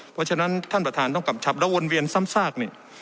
เพราะฉะนั้นท่านประธานต้องกำชับแล้ววนเวียนซ้ำซากเนี่ย